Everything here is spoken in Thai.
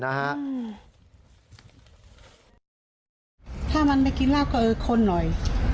ถ้ามันได้กินเล่าก็คนหน่อย